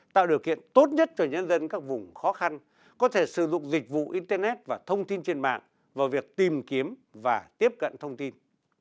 tạo điều kiện tốt nhất cho nhân dân các vùng khó khăn có thể sử dụng dịch vụ internet và thông tin trên mạng vào việc tìm kiếm và tiếp cận thông tin